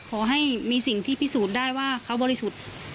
ขอให้มีสิ่งที่พิสูจน์ได้ว่าเขาบริสุทธิ์